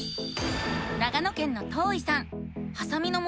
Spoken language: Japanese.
長野県のとういさん。